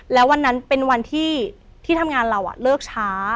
แล้ววันนั้นเป็นวันที่ทำงานเราเลิกช้า